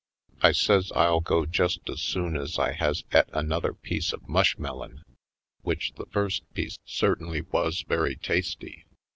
I says I'll go just as soon as I has et another piece of mushmelon, which the first piece certainly 82 /. Poindexter^ Colored was very tasty.